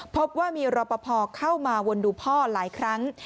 พบว่ามีรอปภเข้ามาวนดูพ่อหลายครั้ง